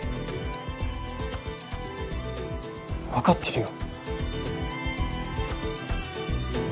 わかってるよ。